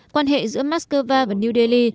quan hệ giữa moscow và new delhi